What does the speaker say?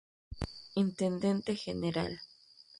Intendente general.